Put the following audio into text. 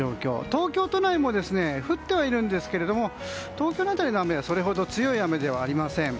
東京都内も降ってはいるんですけれども東京の辺りの雨はそれほど強い雨ではありません。